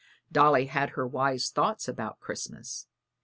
Dolly had her wise thoughts about Christmas.